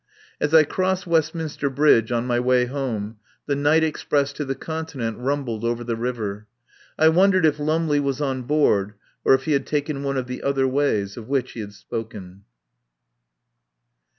As I crossed Westminster Bridge on my way home the night express to the Continent rumbled over the river. I wondered if Lum ley was on board or if he had taken one of the other ways of which he had spoken.